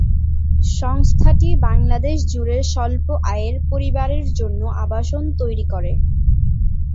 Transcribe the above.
সংস্থাটি বাংলাদেশ জুড়ে স্বল্প আয়ের পরিবারের জন্য আবাসন তৈরি করে।